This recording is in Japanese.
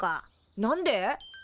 何で？